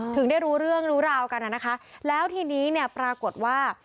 ถึงได้รู้เรื่องรู้ราวกันนะคะแล้วทีนี้เนี่ยปรากฏว่า